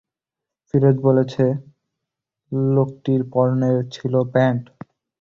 ফিরোজ বলছে লোকটির পরনে ছিল প্যান্ট।